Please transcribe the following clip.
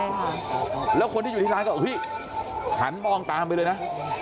ใช่ค่ะแล้วคนที่อยู่ที่ร้านก็เฮ้ยหันมองตามไปเลยนะ